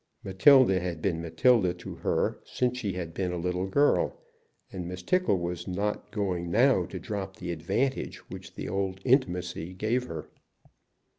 Matilda had been Matilda to her since she had been a little girl, and Miss Tickle was not going now to drop the advantage which the old intimacy gave her.